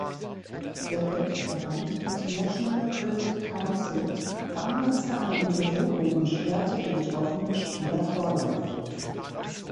Der Weltverband International Cricket Council veranlasste eine Untersuchung und sperrte die betroffenen Spieler vorläufig.